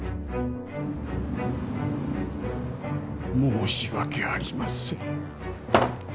申し訳ありません。